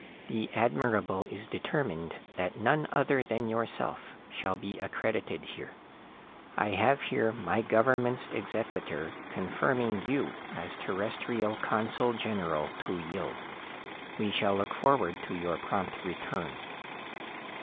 "The Admirable is determined than none other than yourself shall be accredited here. I have here my government's exequatur confirming you as Terrestrial consul general to Yill. We shall look forward to your prompt return."